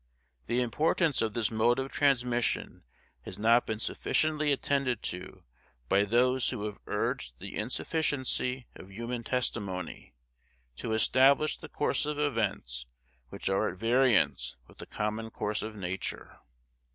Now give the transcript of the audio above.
The importance of this mode of transmission has not been sufficiently attended to by those who have urged the insufficiency of human testimony, to establish the course of events which are at variance with the common course of nature."